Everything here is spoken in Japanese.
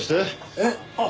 えっ？